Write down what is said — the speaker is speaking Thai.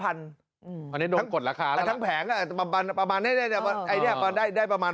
อันนี้ลงกฎราคาแล้วล่ะทั้งแผงอ่ะประมาณได้ประมาณ๑๐๐๐